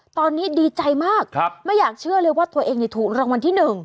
ตอนนี้ดีใจมากไม่อยากเชื่อเลยว่าตัวเองถูกรางวัลที่๑